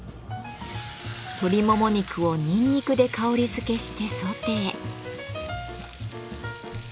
鶏もも肉をニンニクで香り付けしてソテー。